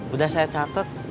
udah saya catat